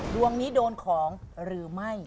ดวงนี้โดนของหรือไม่